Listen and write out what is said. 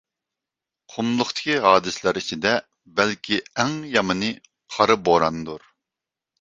قۇملۇقتىكى ھادىسىلەر ئىچىدە بەلكى ئەڭ يامىنى قارا بوراندۇر.